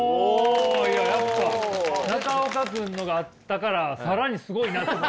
いややっぱ中岡君のがあったから更にすごいなと。